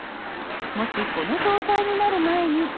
もしこの状態になる前に。